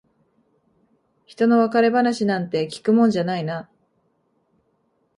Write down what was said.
ひとの別れ話なんて聞くもんじゃないな。